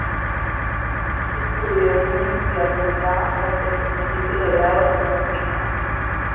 Estudió en la Universidad de Utah obteniendo un título de grado en música.